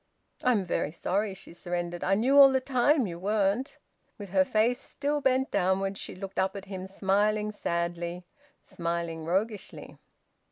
"I'm very sorry," she surrendered. "I knew all the time you weren't." With her face still bent downwards, she looked up at him, smiling sadly, smiling roguishly.